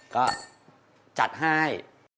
ก็จัดให้